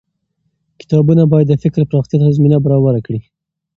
کتابونه بايد د فکر پراختيا ته زمينه برابره کړي.